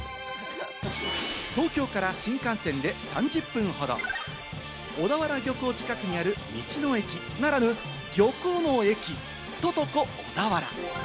東京から新幹線で３０分ほど、小田原漁港近くにある道の駅ならぬ、漁港の駅・ＴＯＴＯＣＯ小田原。